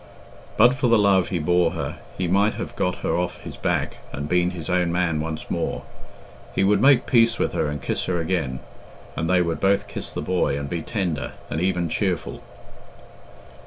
But for the love he bore her, he might have got her off his back and been his own man once more. He would make peace with her and kiss her again, and they would both kiss the boy, and be tender, and even cheerful.